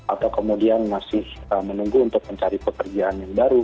atau kemudian masih menunggu untuk mencari pekerjaan yang baru